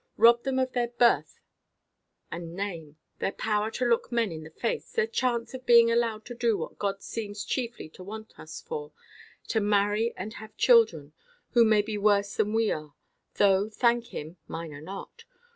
Robbed them of their birth and name, their power to look men in the face, their chance of being allowed to do what God seems chiefly to want us for—to marry and have children, who may be worse than we are; though, thank Him, mine are not.